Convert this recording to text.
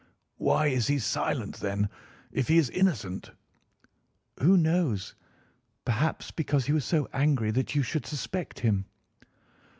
"Why is he silent, then, if he is innocent?" "Who knows? Perhaps because he was so angry that you should suspect him."